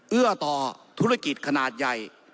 เอื้อต่อธุรกิจขนาดใหญ่